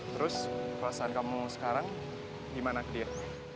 terus perasaan kamu sekarang gimana clear